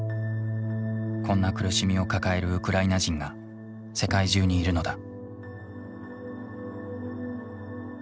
こんな苦しみを抱えるウクライナ人が世界中にいるのだ。